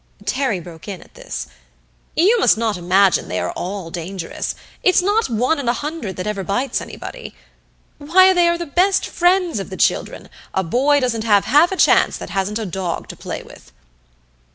Terry broke in at this. "You must not imagine they are all dangerous it's not one in a hundred that ever bites anybody. Why, they are the best friends of the children a boy doesn't have half a chance that hasn't a dog to play with!"